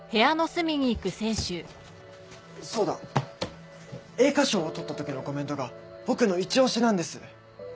そうだ栄華賞を取ったときのコメントが僕のイチ押しなんです。